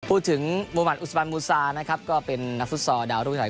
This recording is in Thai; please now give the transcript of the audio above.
พูดถึงมวมหม่อนอุสบานมุซานะครับก็เป็นนักฟุตสอดาวลุยทัย